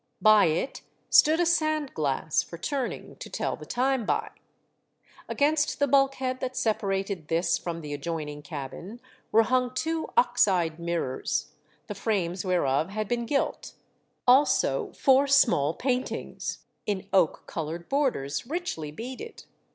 By it stood a sand glass for turning to tell the time by. Against the bulkhead that separated this from the adjoining cabin were hung two ox eyed mirrors, the frames whereof had been gilt, also four small paintings in oak coloured borders richly beaded.